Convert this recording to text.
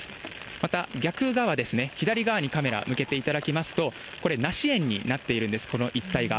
また逆側、左側にカメラ、向けていただきますと、これ、梨園になっているんです、この一帯が。